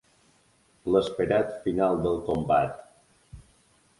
L'esperat final del combat.